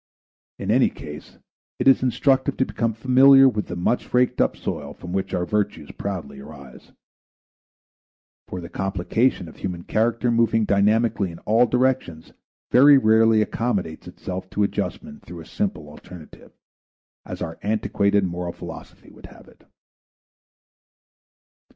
In any case it is instructive to become familiar with the much raked up soil from which our virtues proudly arise. For the complication of human character moving dynamically in all directions very rarely accommodates itself to adjustment through a simple alternative, as our antiquated moral philosophy would have it.